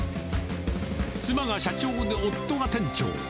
妻が社長で夫が店長。